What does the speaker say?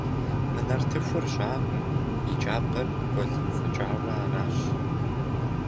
Мы нартыхур жьакъым, и джабэр гуэлынцӏыкӏауэ аращ.